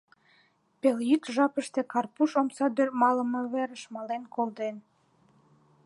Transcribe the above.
Пелйӱд жапыште Карпуш омсадӱр малымвереш мален колтен.